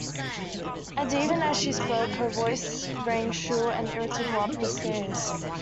And even as she spoke her voice rang shrill and irritable up the stairs.